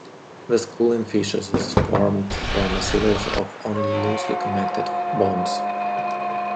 The skull in fishes is formed from a series of only loosely connected bones.